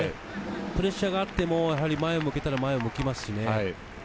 プレッシャーがあっても前を向けたら前を向きます。